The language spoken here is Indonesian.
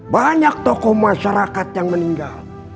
banyak tokoh masyarakat yang meninggal